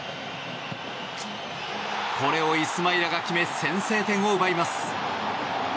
これをイスマイラが決め先制点を奪います。